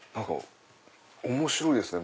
面白いですね